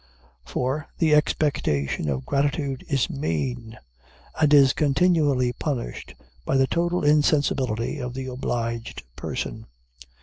For, the expectation of gratitude is mean, and is continually punished by the total insensibility of the obliged person.